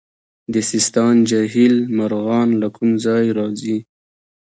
د سیستان جهیل مرغان له کوم ځای راځي؟